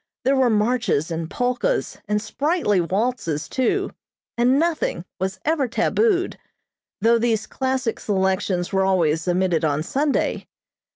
There were marches and polkas, and sprightly waltzes, too, and nothing was ever tabooed, though these classic selections were always omitted on Sunday.